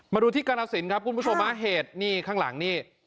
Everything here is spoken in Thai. มาดูที่กรสินครับคุณผู้ชมฮะเหตุนี่ข้างหลังนี่